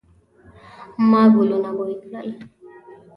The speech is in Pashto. ما ګلونه بوی کړل